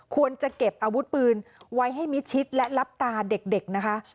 ควรจะเก็บอาวุธปืนไว้ให้มิดชิดและรับตาเด็กนะคะ